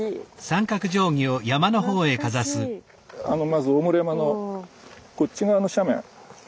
まず大室山のこっち側の斜面。